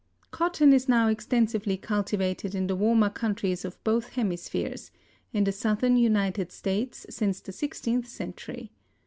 Cotton is now extensively cultivated in the warmer countries of both hemi spheres—in the southern United States since the sixteenth century.